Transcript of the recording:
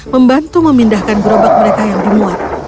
membantu memindahkan gerobak mereka yang dimuat